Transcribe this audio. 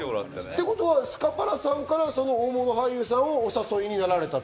スカパラさんから大物俳優さんをお誘いになられた？